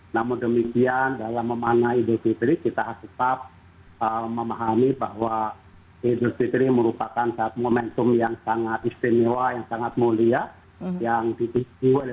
namun demikian dalam memaknai idul fitri kita harus tetap memahami bahwa idul fitri merupakan saat momentum yang sangat istimewa yang sangat mulia yang ditituhi oleh seluruh umat islam